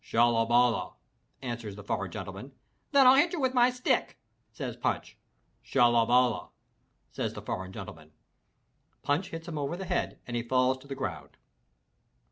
"Shallaballah!" answers the foreign gentleman. "Then I'll hit you with my stick," says Punch. "Shallaballah!" says the foreign gentleman. Punch hits him over the head and he falls to the ground.